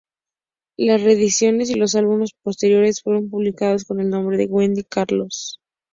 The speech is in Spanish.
Las reediciones y los álbumes posteriores fueron publicados con el nombre de Wendy Carlos.